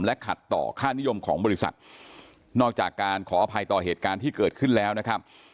ขัดต่อค่านิยมของบริษัทนอกจากการขออภัยต่อเหตุการณ์ที่เกิดขึ้นแล้วนะครับ